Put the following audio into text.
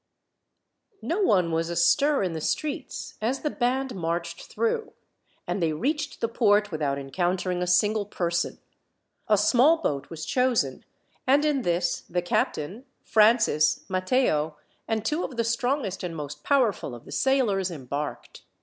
No one was astir in the streets as the band marched through, and they reached the port without encountering a single person. A small boat was chosen, and in this the captain, Francis, Matteo, and two of the strongest and most powerful of the sailors embarked.